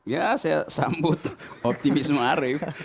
ya saya sambut optimisme arief